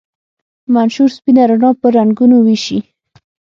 منشور سپینه رڼا په رنګونو ویشي.